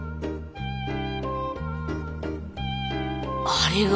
あれが？